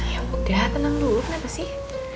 yaudah tenang dulu kenapa sih